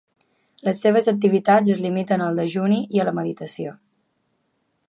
Les seves activitats es limiten al dejuni i a la meditació.